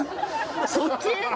そっち！？